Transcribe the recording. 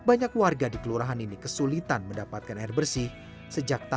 awal dua ribu tujuh belas agus berhasil membuat perawatan intensif